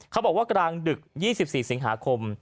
เขาบอกว่ากลางดึก๒๔สิงหาคม